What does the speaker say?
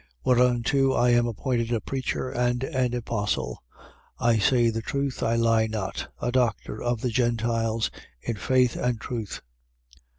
Whereunto I am appointed a preacher and an apostle (I say the truth, I lie not), a doctor of the Gentiles in faith and truth.